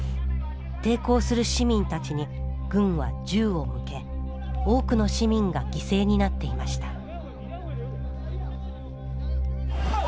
抵抗する市民たちに軍は銃を向け多くの市民が犠牲になっていました。